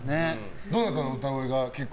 どなたの歌声が？